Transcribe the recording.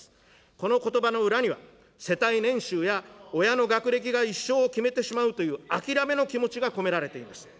このことばの裏には、世帯年収や親の学歴が一生を決めてしまうという諦めの気持ちが込められています。